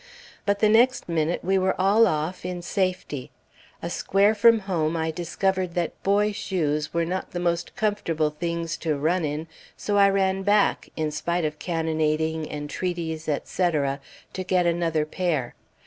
But the next minute we were all off, in safety. A square from home, I discovered that boy shoes were not the most comfortable things to run in, so I ran back, in spite of cannonading, entreaties, etc., to get another pair.